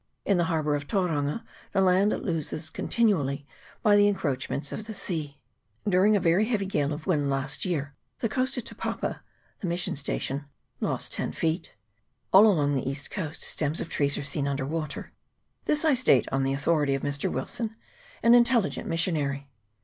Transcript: In the harbour of Tauranga the land loses con tinually by the encroachments of the sea. During a very heavy gale of wind last year the coast at Te Papa (the mission station) lost ten feet. All along the east coast stems of trees are seen under water ; this I state on the authority of Mr. Wilson, an intelligent missionary.